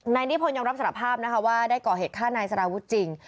นายนิพนธ์ยังรับสารภาพนะคะว่าได้ก่อเหตุฆ่านายสารวุฒิจริง